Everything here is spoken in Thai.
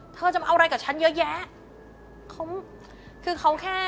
เธอจะมาเอาอะไรกับฉันเยอะแยะ